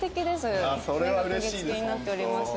目がくぎ付けになっております。